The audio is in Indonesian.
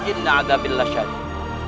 inna agabillah syari'ah